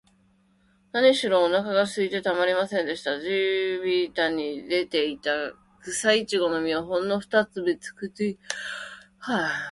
なにしろ、おなかがすいてたまりませんでした。地びたに出ていた、くさいちごの実を、ほんのふたつ三つ口にしただけでしたものね。